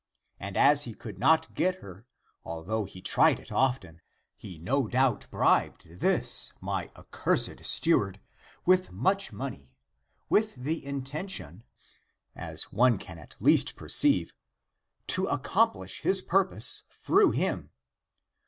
And as he could not get her, although he tried it often, he no doubt bribed this my accursed steward with much money with the intention — as one can at least perceive — to accomplish his purpose through him.